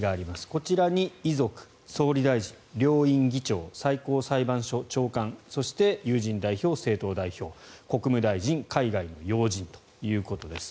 こちらに遺族、総理大臣両院議長最高裁判所長官そして友人代表、政党代表国務大臣海外の要人ということです。